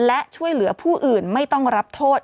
และช่วยเหลือผู้อื่นไม่ต้องรับโทษ